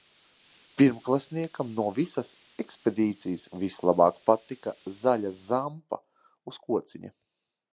Pirmklasniekam no visas ekspedīcijas vislabāk patika zaļa "zampa" uz kociņa.